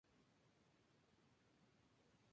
Luego se encontraron más restos en Agadez, Níger.